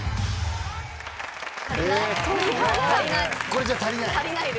これじゃ足りない？